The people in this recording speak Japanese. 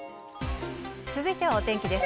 続いてはお天気です。